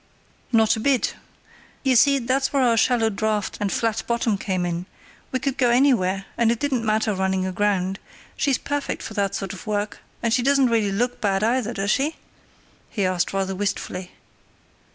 "Not a bit; you see, that's where our shallow draught and flat bottom came in—we could go anywhere, and it didn't matter running aground—she's perfect for that sort of work; and she doesn't really look bad either, does she?" he asked, rather wistfully.